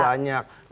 banyak papan reklama